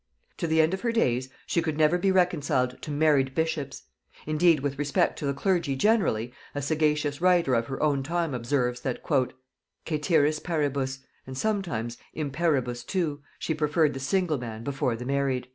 To the end of her days she could never be reconciled to married bishops; indeed with respect to the clergy generally, a sagacious writer of her own time observes, that "cæteris paribus, and sometimes imparibus too, she preferred the single man before the married."